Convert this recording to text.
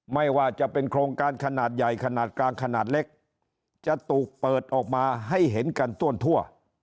ไม่ว่าจะเป็นโครงการขนาดใหญ่ขนาดกลางขนาดเล็กจะถูกเปิดออกมาให้เห็นกันต้วนทั่ว